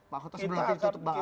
pak hotot sebelum ditutup balik